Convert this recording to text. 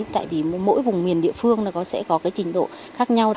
tại vì mỗi vùng miền địa phương sẽ có trình độ khác nhau